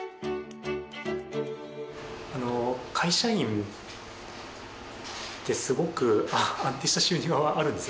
会社員ってすごく安定した収入はあるんですよね。